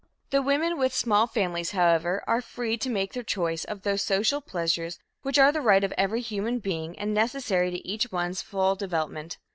The women with small families, however, are free to make their choice of those social pleasures which are the right of every human being and necessary to each one's full development.